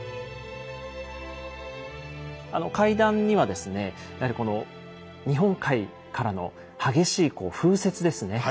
階段にはですねやはりこの日本海からの激しい風雪ですね